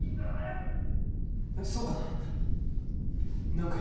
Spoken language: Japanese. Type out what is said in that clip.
そうかな？